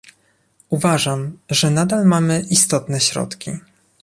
Uważam, że nadal mamy istotne środki